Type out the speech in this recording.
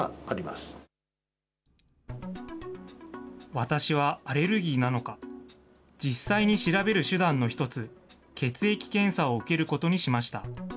私はアレルギーなのか、実際に調べる手段の一つ、血液検査を受けることにしました。